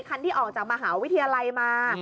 คันที่ออกจากมหาวิทยาลัยมา